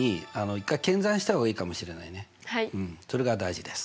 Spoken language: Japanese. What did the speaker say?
それが大事です。